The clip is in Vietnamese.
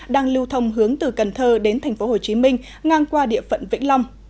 đang lưu thông hướng từ cần thơ đến tp hcm ngang qua địa phận vĩnh long